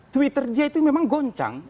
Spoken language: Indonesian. twitter dia itu memang goncang